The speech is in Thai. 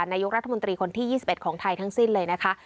นายกรัฐมนตรีคนที่๒๑ของไทยทั้งสิ้นเลยนะคะ